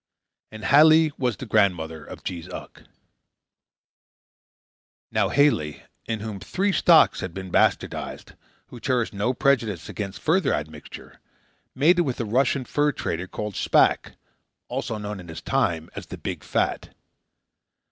And Halie was the grandmother of Jees Uck. Now Halie, in whom three stocks had been bastardized, who cherished no prejudice against further admixture, mated with a Russian fur trader called Shpack, also known in his time as the Big Fat.